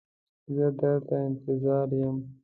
زه در ته انتظار یم.